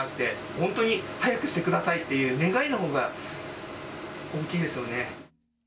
本当に早くしてくださいという願いのほうが大きいですよね。